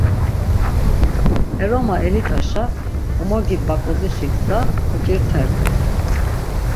P̌eroma elit̆aşa emogi Baǩozişi gza oǩirtert̆u.